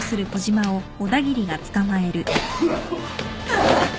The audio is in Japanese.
あっ。